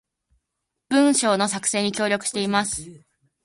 文章の作成に協力しています